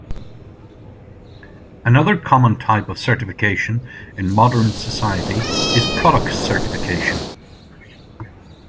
Another common type of certification in modern society is product certification.